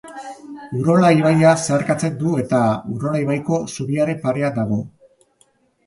Urola ibaia zeharkatzen du eta Urola ibaiko zubiaren parean dago.